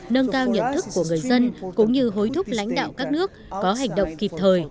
nâng cao nhận thức của người dân cũng như hối thúc lãnh đạo các nước có hành động kịp thời